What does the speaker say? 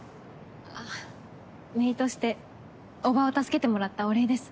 あっめいとして叔母を助けてもらったお礼です。